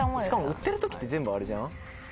売ってる時って全部あれじゃん？